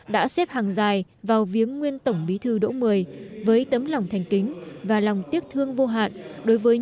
đã xếp hàng dài vào viếng nguyên tổng bí thư đỗ một mươi với tấm lòng thành kính và lòng tiếc thương vô hạn